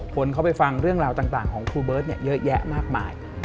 คนเขาไปฟังเรื่องราวต่างของครูเบิร์ตเยอะแยะมากมาย